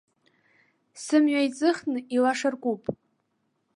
Сымҩа еиҵыхны илашаркуп.